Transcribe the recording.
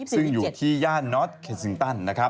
ซึ่งอยู่ที่ย่านนท์เคซิงตัน